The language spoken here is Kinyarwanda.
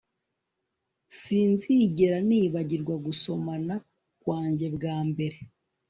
Sinzigera nibagirwa gusomana kwanjye bwa mbere